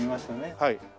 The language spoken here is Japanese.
はい。